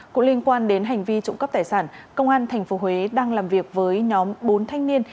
cũng liên quan đến hành vi trộm cắp tài sản công an tp huế đang làm việc với nhóm bốn thanh niên